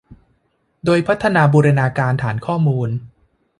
โดยพัฒนาบูรณาการฐานข้อมูล